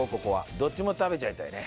どっちも食べちゃいたいね。